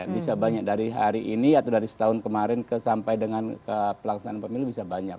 bisa banyak dari hari ini atau dari setahun kemarin sampai dengan ke pelaksanaan pemilu bisa banyak